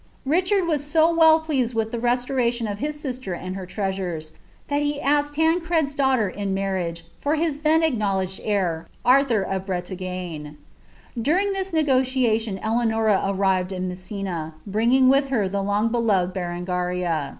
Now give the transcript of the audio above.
Richard was so well pleased wilh the restoration of hi* st«ter and Ko treasures, that he asked Tancred's daughter in marriage for his iha acknowledged heir, Arthur of Brelagne.' During this negotiation Eleanors arrived in Measina,' bringing •iili Iter tlie long beloved Berengaria.